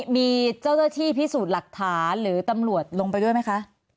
มีเจ้าเจ้าที่พิสูจน์หรือตำรวจลงไปด้วยไหมคะ